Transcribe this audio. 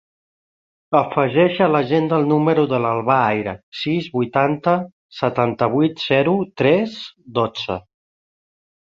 Afegeix a l'agenda el número de l'Albà Aira: sis, vuitanta, setanta-vuit, zero, tres, dotze.